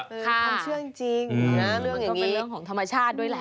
ความเชื่อจริงมันก็เป็นเรื่องของธรรมชาติด้วยแหละ